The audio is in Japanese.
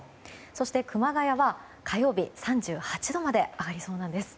そして熊谷は火曜日３８度まで上がりそうなんです。